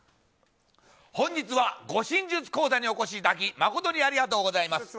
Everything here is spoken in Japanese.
本日は護身術講座にお越しいただき誠にありがとうございます。